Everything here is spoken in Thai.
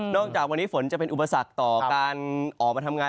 จากวันนี้ฝนจะเป็นอุปสรรคต่อการออกมาทำงาน